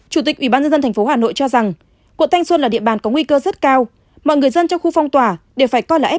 chủ tịch ủy ban nhân dân tp hà nội cho rằng quận thanh xuân là địa bàn có nguy cơ rất cao mọi người dân trong khu phong tỏa đều phải coi là f